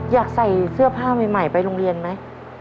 อยากใส่เสื้อผ้าใหม่ไปโรงเรียนไหม